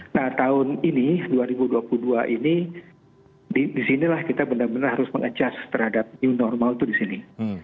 nah tahun ini dua ribu dua puluh dua ini disinilah kita benar benar harus mengadjust terhadap new normal itu di sini